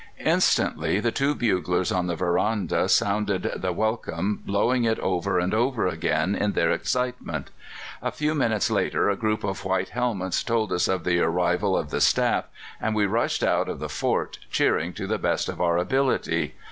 "Instantly the two buglers on the veranda sounded the 'Welcome,' blowing it over and over again in their excitement. A few minutes later a group of white helmets told us of the arrival of the staff, and we rushed out of the fort, cheering to the best of our ability.